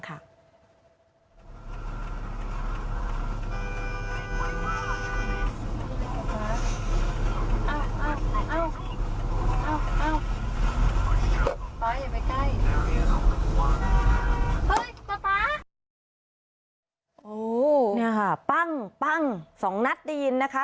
โอันี่ค่ะปั้จส่องนัทได้ยินนะคะ